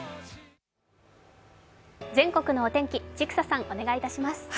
全国のお天気、千種さん、お願いします。